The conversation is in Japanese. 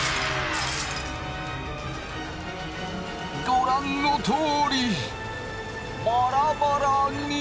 ご覧のとおりバラバラに。